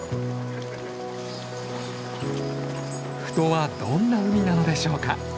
富戸はどんな海なのでしょうか？